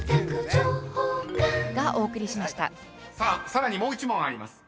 ［さらにもう１問あります。